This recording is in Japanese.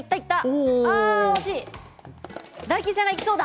大吉さんがいきそうだ。